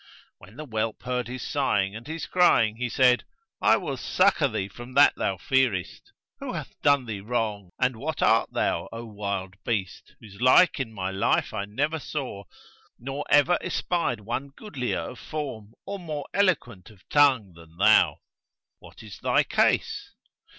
When the whelp heard his sighing and his crying he said, 'I will succour thee from that thou fearest. Who hath done thee wrong and what art thou, O wild beast, whose like in my life I never saw, nor ever espied one goodlier of form or more eloquent of tongue than thou? What is thy case?'